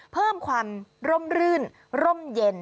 เพิ่มความร่มรื่นร่มเย็น